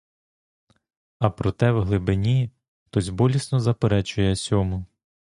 А проте вглибині хтось болісно заперечує сьому.